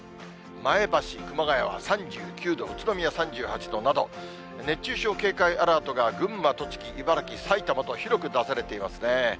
前橋、熊谷は３９度、宇都宮３８度など、熱中症警戒アラートが群馬、栃木、茨城、埼玉と、広く出されていますね。